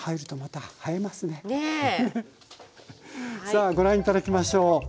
さあご覧頂きましょう。